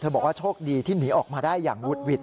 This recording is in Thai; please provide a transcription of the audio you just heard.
บอกว่าโชคดีที่หนีออกมาได้อย่างวุดหวิด